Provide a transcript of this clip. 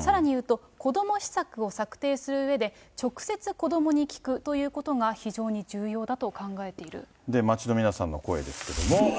さらにいうと、子ども施策を策定するうえで、直接子どもに聞くということが非常に重要だと考えて街の皆さんの声ですけれども。